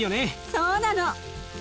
そうなの。